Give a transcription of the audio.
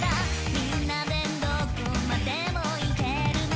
「みんなでどこまでも行けるね」